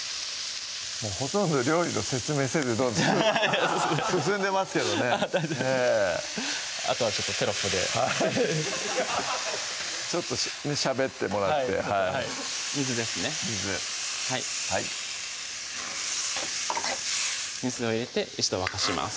ほとんど料理の説明せずどんどん進んでますけどねええあとはテロップではいちょっとしゃべってもらってはいはい水ですね水水を入れて一度沸かします